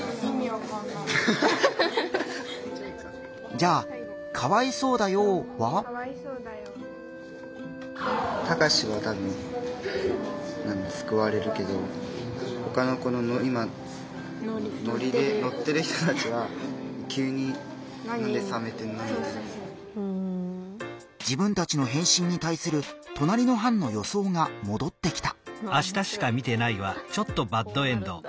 じゃあ「かわいそうだよー」は？自分たちの返信にたいするとなりの班の予想がもどってきた。